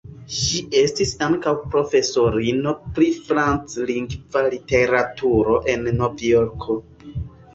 Ŝi estis ankaŭ profesorino pri franclingva literaturo en Novjorko.